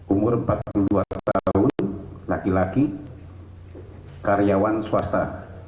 umur empat puluh dua tahun laki laki karyawan swasta